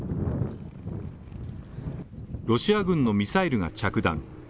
ロシア軍のミサイルが着弾。